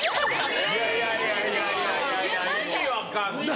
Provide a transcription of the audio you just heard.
いやいや意味分かんない。